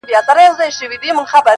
اوس د شپې نکلونه دي پېیلي په اغزیو.!